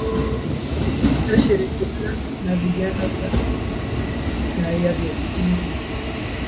ita shirikiana na vyama vya kiraia vya nchini humo